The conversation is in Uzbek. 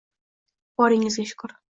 Boringizga shukr.